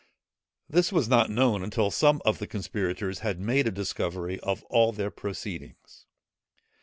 This was not known until some of the conspirators had made a discovery of all their proceedings.